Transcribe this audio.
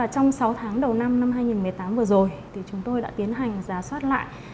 trong sáu tháng đầu năm hai nghìn một mươi tám vừa rồi thì chúng tôi đã tiến hành giá soát lại